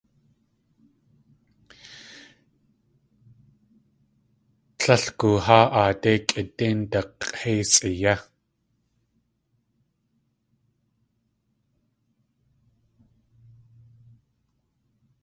Tlél gooháa aadéi kʼidéin dak̲éisʼi yé.